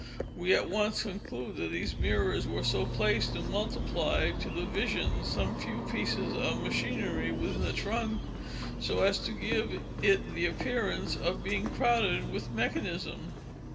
We at once concluded that these mirrors were so placed to multiply to the vision some few pieces of machinery within the trunk so as to give it the appearance of being crowded with mechanism.